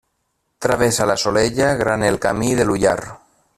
Travessa la Solella Gran el Camí de l'Ullar.